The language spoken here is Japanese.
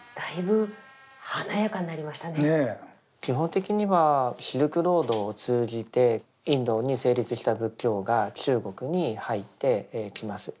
基本的にはシルクロードを通じてインドに成立した仏教が中国に入ってきます。